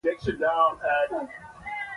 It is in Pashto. علي تل په پردیو لانجو کې ګوتې وهي.